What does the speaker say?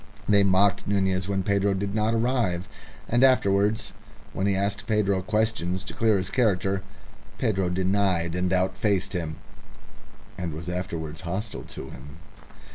They mocked Nunez when Pedro did not arrive, and afterwards, when he asked Pedro questions to clear his character, Pedro denied and outfaced him, and was afterwards hostile to him.